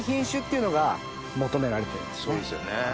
そうですよね。